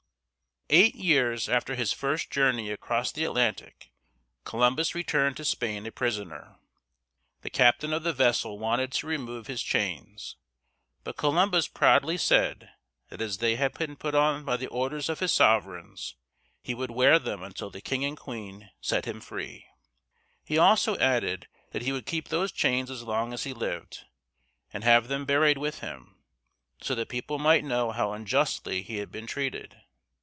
Eight years after his first journey across the Atlantic Columbus returned to Spain a prisoner! The captain of the vessel wanted to remove his chains, but Columbus proudly said that as they had been put on by the orders of his sovereigns, he would wear them until the king and queen set him free. He also added that he would keep those chains as long as he lived, and have them buried with him, so that people might know how unjustly he had been treated.